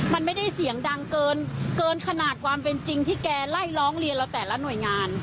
มันไม่ได้เสียงดังเกินขนาดความเป็นจริงที่แกไล่ร้องเรียนเราแต่ละหน่วยงาน